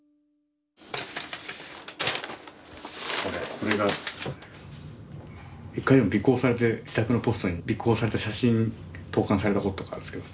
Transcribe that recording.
これが１回尾行されて自宅のポストに尾行された写真投函されたこととかあるんですけどね。